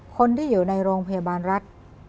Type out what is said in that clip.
คนที่อยู่ในโรงพยาบาลรัฐ